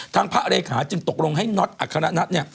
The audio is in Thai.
ทางพระเรขาจึงตกลงให้น็อตอัครนัดเนี่ย